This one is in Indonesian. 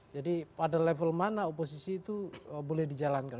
jadi pada level mana oposisi itu boleh dijalankan